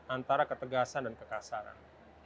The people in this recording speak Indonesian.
antara ketegasan dan kekasaran